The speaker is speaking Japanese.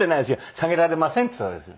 「下げられません」って言っただけですよ。